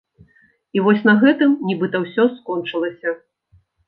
І вось на гэтым нібыта ўсё скончылася.